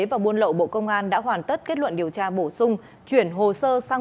và buôn lậu bộ công an đã hoàn tất kết luận điều tra bổ sung chuyển hồ sơ sang